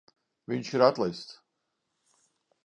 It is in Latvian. Viņš ir atlaists.